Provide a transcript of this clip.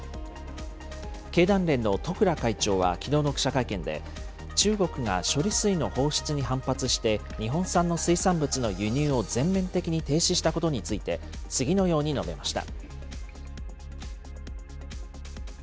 経団連の十倉会長は、きのうの記者会見で、中国が処理水の放出に反発して、日本産の水産物の輸入を全面的に停止したことについて、次のように述べました。